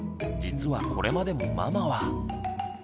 実はこれまでもママは。